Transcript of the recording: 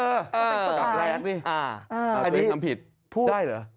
ก็เป็นคำสั่งแรงเอ่อเพื่อทำผิด